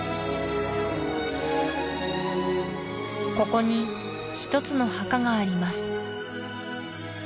ここに１つの墓があります